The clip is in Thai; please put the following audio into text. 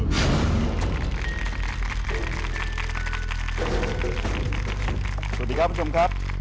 สวัสดีครับคุณผู้ชมครับ